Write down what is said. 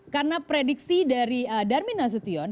karena prediksi dari darmina sutyon